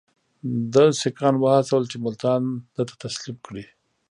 ده سیکهان وهڅول چې ملتان ده ته تسلیم کړي.